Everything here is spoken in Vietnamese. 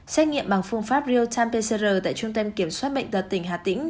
xét nghiệm bằng phương pháp real time pcr tại trung tâm kiểm soát bệnh tật tỉnh hà tĩnh